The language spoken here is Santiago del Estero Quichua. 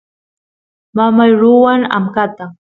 mamay ruwan amkata